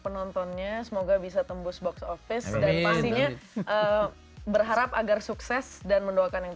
penontonnya semoga bisa tembus box office dan pastinya berharap agar sukses dan mendoakan yang